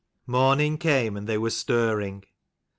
ORNING came and they were CHAPTER stirring.